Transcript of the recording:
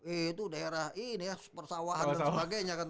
itu daerah ini ya persawahan dan sebagainya kan